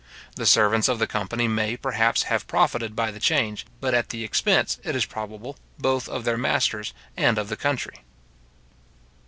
The servants of the company may, perhaps, have profited by the change, but at the expense, it is probable, both of their masters and of the country.